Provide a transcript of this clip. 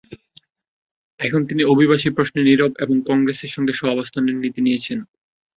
এখন তিনি অভিবাসী প্রশ্নে নীরব এবং কংগ্রেসের সঙ্গে সহাবস্থানের নীতি নিয়েছেন।